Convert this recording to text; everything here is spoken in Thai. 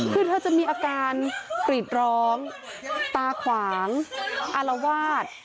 คือเธอจะมีอาการกรีดร้องตาขวางอารวาส